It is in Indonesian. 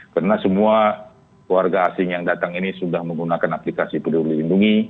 karena semua warga asing yang datang ini sudah menggunakan aplikasi peduli lindungi